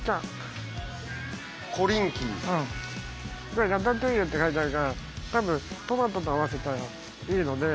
それラタトゥイユって書いてあるから多分トマトと合わせたらいいので。